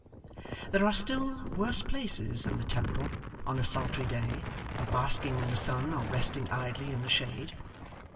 There are, still, worse places than the Temple, on a sultry day, for basking in the sun, or resting idly in the shade.